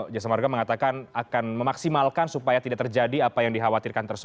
jasa marga mengatakan akan memaksimalkan supaya terjadi kemacetan satu km di gerbang tol maka bisa di gratiskan gitu ya